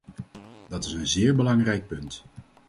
Dat is een zeer belangrijk punt.